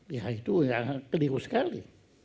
ya itu keliru sekali